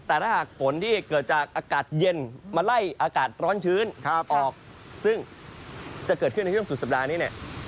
แต่ถ้าหากฝนที่เกิดจากอากาศเย็นมาไล่อากาศร้อนชื้นออกซึ่งจะเกิดขึ้นในช่วงสุดสัปดาห์นี้เนี่ย